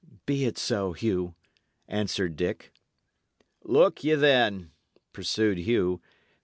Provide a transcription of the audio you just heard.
"Be it so, Hugh," answered Dick. "Look ye, then," pursued Hugh.